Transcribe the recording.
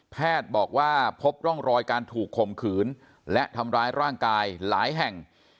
แพทย์บอกว่าพบร่องรอยการถูกข่มขืนและทำร้ายร่างกายหลายแห่ง